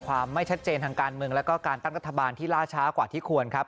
ความไม่ชัดเจนทางการเมืองแล้วก็การตั้งรัฐบาลที่ล่าช้ากว่าที่ควรครับ